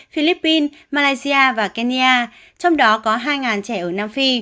philippines malaysia và kenya trong đó có hai trẻ ở nam phi